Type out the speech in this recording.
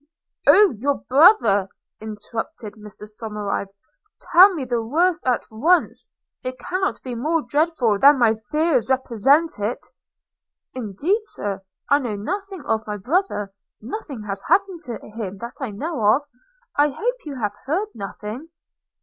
'Oh, your brother!' interrupted Mr Somerive – 'tell me the worst at once, it cannot be more dreadful than my fears represent it.' – 'Indeed, Sir, I know nothing of my brother; nothing has happened to him that I know of – I hope you have heard nothing?'